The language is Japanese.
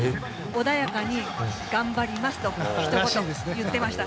穏やかに、頑張りますと、ひと言言ってました。